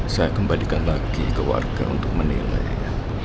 saya kembalikan lagi ke warga untuk menilainya